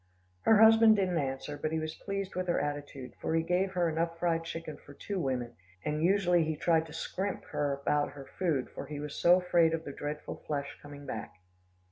Her husband didn't answer, but he was pleased with her attitude, for he gave her enough fried chicken for two women, and usually he tried to scrimp her about her food, for he was so afraid of the dreadful flesh coming back.